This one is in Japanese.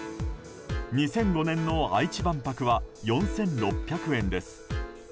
２００５年の愛知万博は４６００円です。